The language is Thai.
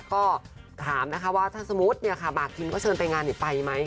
ก็ถามนะคะว่าถ้าสมมติบากทิ้งก็เชิญไปงานไปไหม